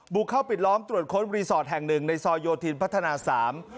กเข้าปิดล้อมตรวจค้นรีสอร์ทแห่งหนึ่งในซอยโยธินพัฒนาสาม